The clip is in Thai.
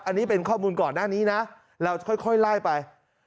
อันนี้เป็นข้อมูลก่อนหน้านี้นะเราจะค่อยไล่ไป